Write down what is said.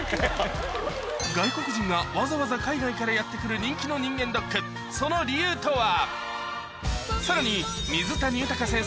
外国人がわざわざ海外からやって来る人気の人間ドックその理由とは？